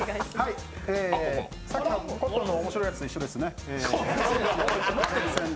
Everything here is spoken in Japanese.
さっきのコットンの面白いやつと一緒ですね。